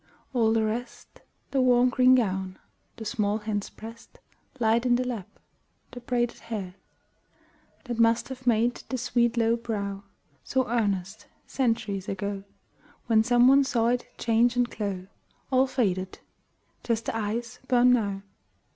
All the rest The warm green gown, the small hands pressed Light in the lap, the braided hair That must have made the sweet low brow So earnest, centuries ago, When some one saw it change and glow All faded! Just the eyes burn now.